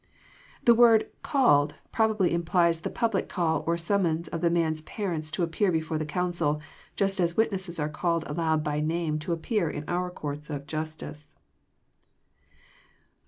The word " called probably implies the public call or sum mons of the man's parents to appear befbre the council, Just as witnesses are called aloud by name to appear in our courts of Justice.